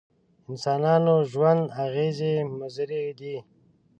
انسانانو ژوند اغېزې مضرې دي.